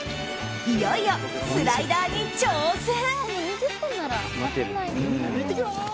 いよいよ、スライダーに挑戦。